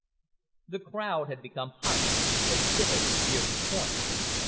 The crowd had become hushed as Civek neared his point.